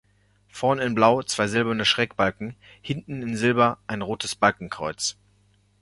Vorne in Blau zwei silberne Schrägbalken, hinten in Silber ein rotes Balkenkreuz.